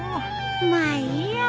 まあいいや。